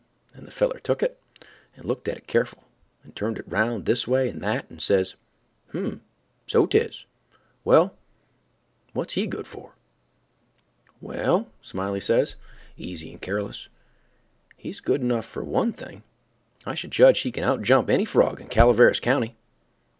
And the feller took it, and looked at it careful, and turned it round this way and that, and says, "H'm—so 'tis. Well, what's he good for?" "Well," Smiley says, easy and careless, "he's good enough for one thing, I should judge—he can outjump any frog in Calaveras county."